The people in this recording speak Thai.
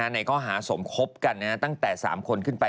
ในข้อหาสมคบกันตั้งแต่๓คนขึ้นไป